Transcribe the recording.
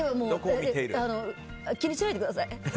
気にしないづください。